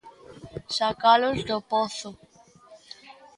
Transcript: Sacalos do pozo.